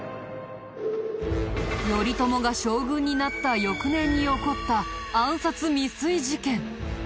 頼朝が将軍になった翌年に起こった暗殺未遂事件。